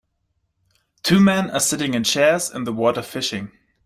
Two men are sitting in chairs in the water fishing